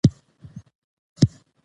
که ډالۍ وي نو مینه نه کمېږي.